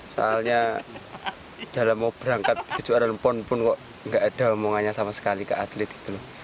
soalnya dalam mau berangkat ke juara lompon pun kok gak ada omongannya sama sekali ke atlet gitu loh